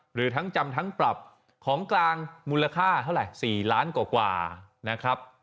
หรือทั้งจำทั้งปรับของกลางมูลค่าเท่าไหร่๔ล้านกว่านะครับ